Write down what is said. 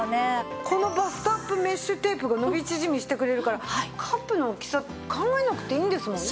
このバストアップメッシュテープが伸び縮みしてくれるからカップの大きさ考えなくていいんですもんね。